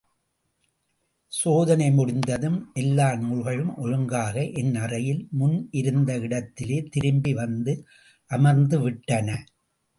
சோதனை முடிந்ததும் எல்லாநூல்களும் ஒழுங்காக என் அறையில், முன் இருந்த இடத்திலே திரும்பி வந்து அமர்ந்துவிட்டன.